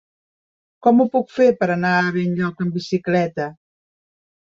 Com ho puc fer per anar a Benlloc amb bicicleta?